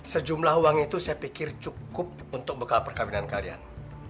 sejumlah uang itu saya pikir cukup untuk bekal perkahwinan kalian